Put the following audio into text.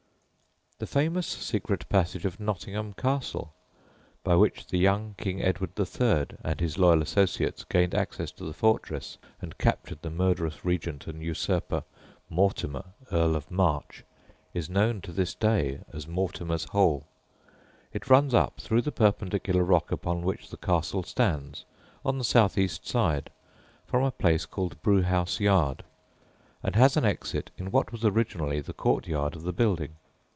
The famous secret passage of Nottingham Castle, by which the young King Edward III. and his loyal associates gained access to the fortress and captured the murderous regent and usurper Mortimer, Earl of March, is known to this day as "Mortimer's Hole." It runs up through the perpendicular rock upon which the castle stands, on the south east side from a place called Brewhouse yard, and has an exit in what was originally the courtyard of the building.